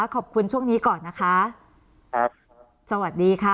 ช่วงนี้ก่อนนะคะครับสวัสดีค่ะ